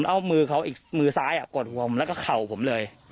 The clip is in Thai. เอามือเขาอีกมือซ้ายกดหัวผมแล้วก็เข่าผมเลย